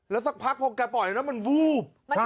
แล้วสักพักเมื่อกั้นมันวุฒิ